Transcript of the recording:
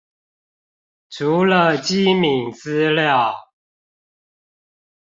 除了機敏資料